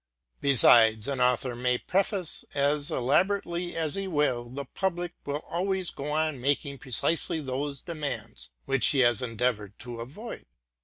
Besides, an author may preface as elaborately as he will, the public will always go on making precisely those demands which he has endeavored to avoid.